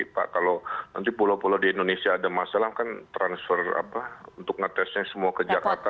pak kalau nanti pulau pulau di indonesia ada masalah kan transfer untuk ngetesnya semua ke jakarta